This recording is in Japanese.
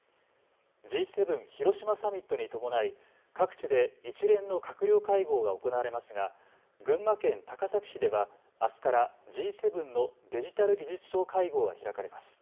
Ｇ７広島サミットに伴い各地で一連の閣僚会合が行われますが群馬県高崎市ではあすからＧ７のデジタル・技術相会合が開かれます。